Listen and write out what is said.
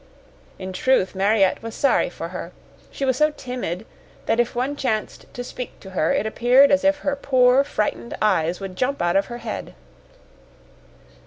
In truth, Mariette was sorry for her. She was so timid that if one chanced to speak to her it appeared as if her poor, frightened eyes would jump out of her head.